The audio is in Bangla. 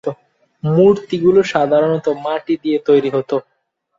মূর্তিগুলি সাধারণত মাটি দিয়েই তৈরি হত।